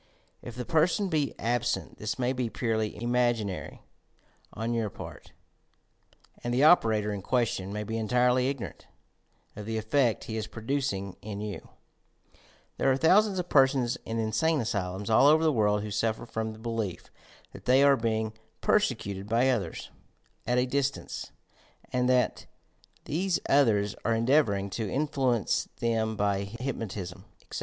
If the per son be absent, this may be purely imaginary on your part, and the operator in question may be entirely ignor ant of the effect he is producing in you ! There are thousands of persons in insane asylums all over the world who suffer from the belief that they are being "persecuted" by others at a distance, and that these others are endeavouring to influence them by hyp notism, etc.